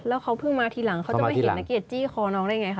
แล้วเขาเพิ่งมาทีหลังเขาจะไม่เห็นนักเกียรติจี้คอน้องได้ไงคะ